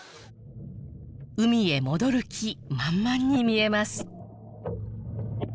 海へ戻る気満々に見えます